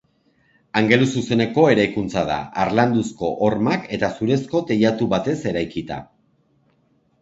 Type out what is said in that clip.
Angeluzuzeneko eraikuntza da, harlanduzko hormak eta zurezko teilatu batez eraikita.